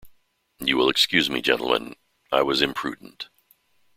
You will excuse me, gentlemen; I was imprudent.